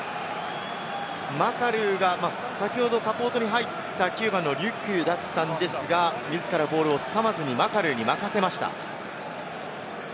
マカルーが先ほどサポートに入った９番のリュキュだったんですが、自らボールを捕まずにマカルーに任せました。